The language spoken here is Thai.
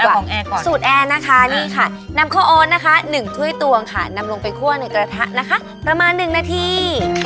ของแอร์ก่อนสูตรแอร์นะคะนี่ค่ะนำข้าวโอนนะคะ๑ถ้วยตวงค่ะนำลงไปคั่วในกระทะนะคะประมาณ๑นาที